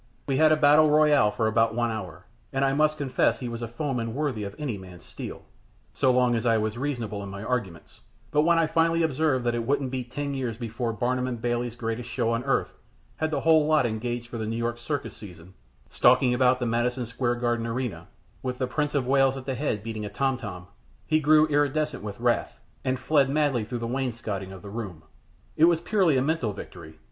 We had a battle royal for about one hour, and I must confess he was a foeman worthy of any man's steel, so long as I was reasonable in my arguments; but when I finally observed that it wouldn't be ten years before Barnum and Bailey's Greatest Show on Earth had the whole lot engaged for the New York circus season, stalking about the Madison Square Garden arena, with the Prince of Wales at the head beating a tomtom, he grew iridescent with wrath, and fled madly through the wainscoting of the room. It was purely a mental victory.